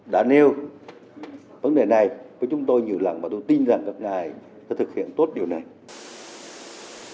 đã nêu vấn đề này với chúng tôi nhiều lần và tôi tin rằng các ngài sẽ thực hiện tốt điều này